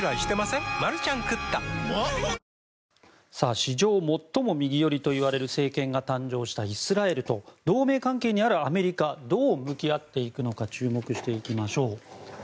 史上最も右寄りといわれる政権が誕生したイスラエルと同盟関係にあるアメリカどう向き合っていくのか注目していきましょう。